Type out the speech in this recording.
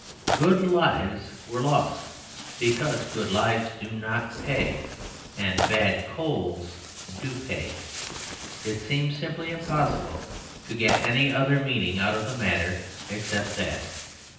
Good lives were lost, because good lives do not pay; and bad coals do pay. It seems simply impossible to get any other meaning out of the matter except that.